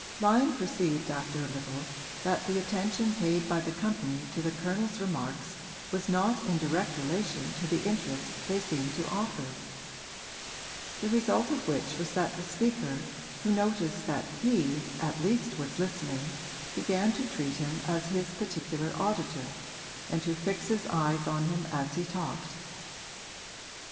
Lyon perceived after a little that the attention paid by the company to the Colonel's remarks was not in direct relation to the interest they seemed to offer; the result of which was that the speaker, who noticed that he at least was listening, began to treat him as his particular auditor and to fix his eyes on him as he talked.